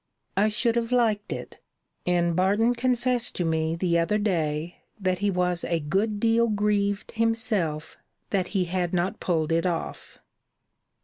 I should have liked it; and Barton confessed to me the other day that he was a good deal grieved himself that he had not pulled it off!